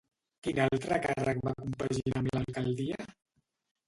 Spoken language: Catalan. Quin altre càrrec va compaginar amb l'alcaldia?